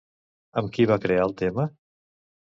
Amb qui va crear el tema?